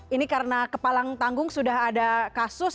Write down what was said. ini karena kepalang tanggung sudah ada kasus